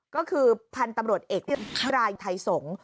ก็คือพันธุ์ตำรวจเอกพรายไทยสงศ์